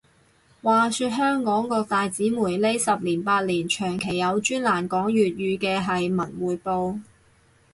話說香港各大紙媒呢十年八年，長期有專欄講粵語嘅係文匯報